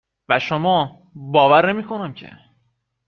و شما ، باور نمیکنم که